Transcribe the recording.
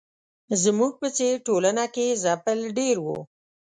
زموږ په څېر ټولنه کې ځپل ډېر وو.